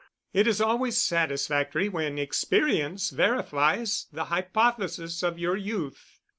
It is always satisfactory when experience verifies the hypothesis of your youth.